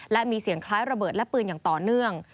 และมีเสียงคล้ายระเบิดและปืนอย่างต่อเนื่อง